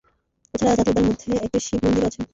এছাড়া জাতীয় উদ্যানের মধ্যে একটি শিব মন্দিরও আছে।